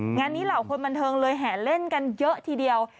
งานนี้เหล่าคนบันเทิงเลยแห่เล่นกันเยอะทีเดียว